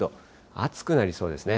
暑くなりそうですね。